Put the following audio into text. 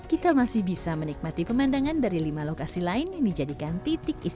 kita masih bisa menikmati pemandangan dari lima lokasi lain yang dijadikan titik isinya